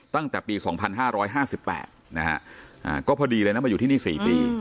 ตั้งแต่ปี๒๕๕๘นะฮะก็พอดีเลยนะมาอยู่ที่นี่๔ปี